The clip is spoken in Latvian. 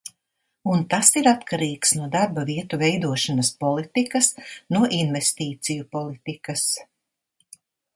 Un tas ir atkarīgs no darba vietu veidošanas politikas, no investīciju politikas.